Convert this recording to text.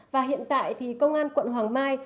và hiện tại thì công an quận hoàng mai